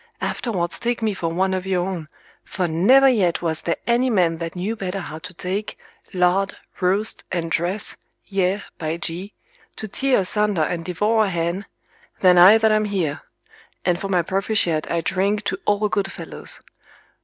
Afterwards take me for one of your own, for never yet was there any man that knew better how to take, lard, roast, and dress, yea, by G , to tear asunder and devour a hen, than I that am here: and for my proficiat I drink to all good fellows.